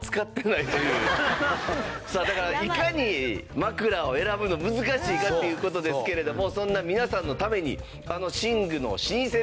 さあだからいかに枕を選ぶの難しいかっていう事ですけれどもそんな皆さんのためにあのある日の早朝。